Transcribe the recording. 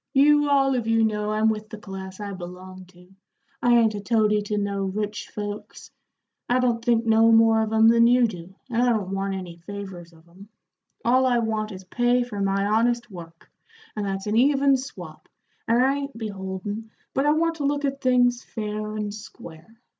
"You all of you know I'm with the class I belong to; I ain't a toady to no rich folks; I don't think no more of 'em than you do, and I don't want any favors of 'em all I want is pay for my honest work, and that's an even swap, and I ain't beholden, but I want to look at things fair and square.